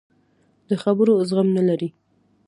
د خبرو زغم نه لري.